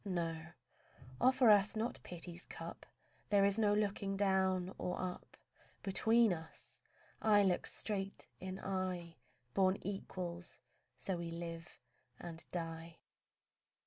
No, offer us not pity's cup. There is no looking down or up Between us; eye looks straight in eye: Born equals, so we live and die.